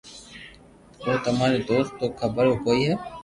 او تماري دوست نو خبر ڪوئي ھي